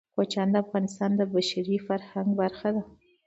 کوچیان د افغانستان د بشري فرهنګ برخه ده.